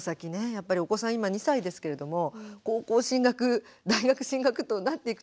やっぱりお子さん今２歳ですけれども高校進学大学進学となっていくと１５年ぐらい。